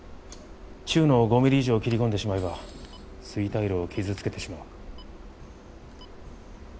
中脳を５ミリ以上切り込んでしまえば錐体路を傷つけてしまう。